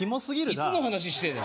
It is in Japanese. いつの話してんだ